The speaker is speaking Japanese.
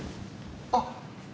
あっ！